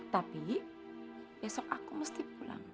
tapi besok aku mesti pulang